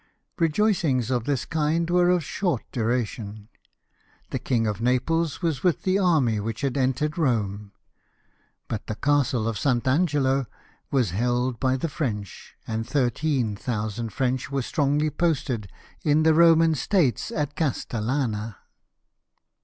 Re joicings of this kind were of short duration. The King of Naples was with the army which had entered Rome ; but the Castle of St. Angelo was held by the French, and 13,000 French were strongly posted in the Roman states at Castallana.